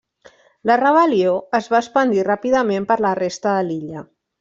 La rebel·lió es va expandir ràpidament per la resta de l'illa.